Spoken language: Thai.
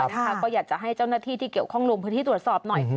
ก็อยากจะให้เจ้าหน้าที่ที่เกี่ยวข้องลงพื้นที่ตรวจสอบหน่อย